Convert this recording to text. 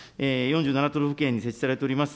４７都道府県に設置されております